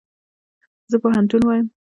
زه پوهنتون وایم